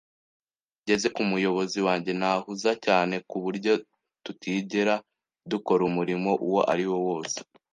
Iyo bigeze ku muyobozi wanjye, ntahuza cyane, ku buryo tutigera dukora umurimo uwo ari wo wose.